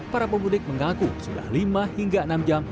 para pemudik mengaku sudah lima hingga enam jam